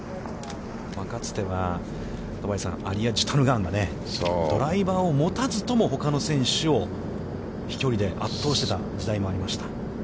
かつては、戸張さん、アリヤ・ジュタヌガーンがドライバーを持たずとも、ほかの選手を飛距離で圧倒してた時代もありました。